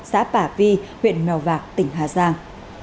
xã bả vi huyện mèo vạc tỉnh hà giang